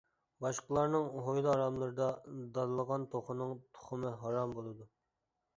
باشقىلارنىڭ ھويلا ئاراملىرىدا دانلىغان توخۇنىڭ تۇخۇمى ھارام بولىدۇ.